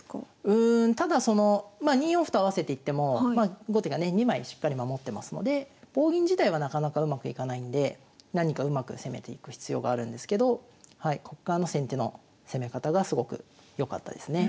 うんただそのまあ２四歩と合わせていっても後手がね２枚しっかり守ってますので棒銀自体はなかなかうまくいかないんで何かうまく攻めていく必要があるんですけどこっからの先手の攻め方がすごく良かったですね。